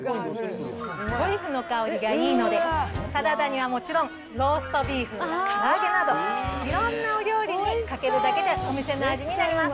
トリュフの香りがいいので、サラダにはもちろん、ローストビーフやから揚げなど、いろんなお料理にかけるだけでお店の味になります。